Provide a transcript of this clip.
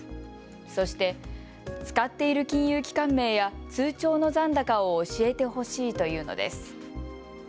そして、使っている金融機関名や通帳の残高を教えてほしいと言うのです。